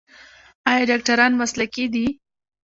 آیا ډاکټران مسلکي دي؟